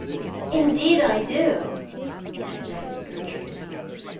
" Indeed 1 do," interjected Gertrude.